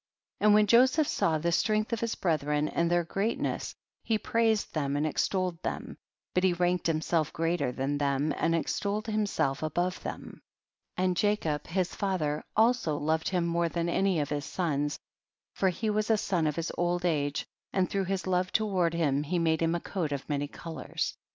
6. And when Joseph saw the strength of his brethren, and their greatness, he praised them and ex tolled them, but he ranked himself greater than them, and extolled him self above them ; and Jacob, his father, also loved him more than any of his sons, for he was a son of his old age, and through his love toward him, he made him a coat of many colors, 7.